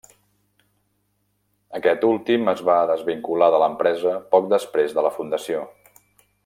Aquest últim es va desvincular de l'empresa poc després de la fundació.